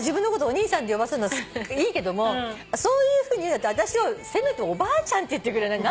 お兄さんって呼ばせるのいいけどもそういうふうに言うんだったら私をせめておばあちゃんって言ってくれない？